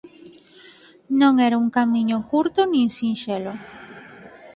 Non era un camiño curto nin sinxelo.